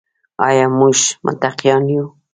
آیا موږ متقیان یو؟